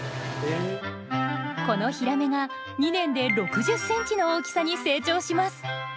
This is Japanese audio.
このヒラメが２年で６０ｃｍの大きさに成長します。